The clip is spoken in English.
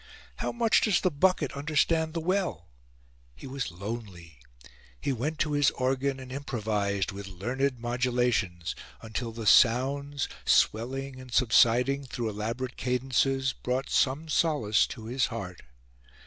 How much does the bucket understand the well? He was lonely. He went to his organ and improvised with learned modulations until the sounds, swelling and subsiding through elaborate cadences, brought some solace to his heart.